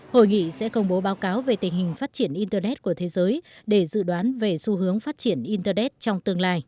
hội nghị sẽ công bố báo cáo về tình hình phát triển internet của thế giới để dự đoán về xu hướng